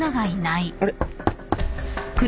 あれ？